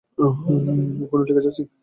এখনো লিখে যাচ্ছেন।